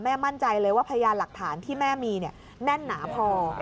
มั่นใจเลยว่าพยานหลักฐานที่แม่มีแน่นหนาพอ